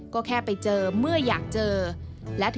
ก็แค่ไปเจอเมื่ออยากเจอ